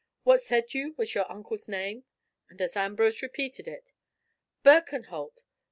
What said you was your uncle's name?" and as Ambrose repeated it, "Birkenholt!